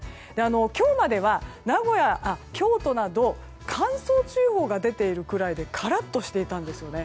今日までは京都など乾燥注意報が出ているくらいでカラッとしていたんですね。